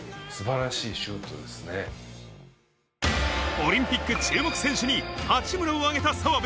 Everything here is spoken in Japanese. オリンピック注目選手に八村を挙げた澤部。